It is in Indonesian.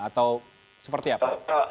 atau seperti apa